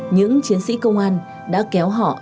những chiến sĩ công an đã kéo họ